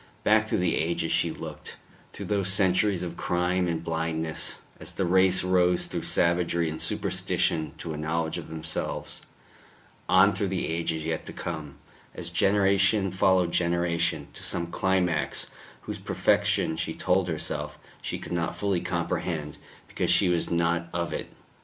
Back through the ages she looked, through those centuries of crime and blindness, as the race rose through savagery and superstition to a knowledge of themselves; on through the ages yet to come, as generation followed generation to some climax whose perfection, she told herself, she could not fully comprehend because she was not of it.